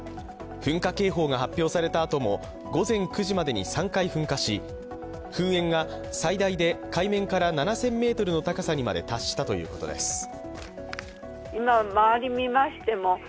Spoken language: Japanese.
噴火警報が発表されたあとも午前９時までに３回噴火し、噴煙が、最大で海面から７０００ｍの高さにまで達したということです。